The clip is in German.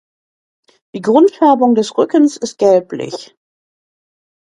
Die Grundfärbung des Rückens ist gelblich.